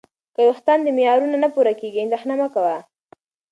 که وېښتان دې معیارونه نه پوره کوي، اندېښنه مه کوه.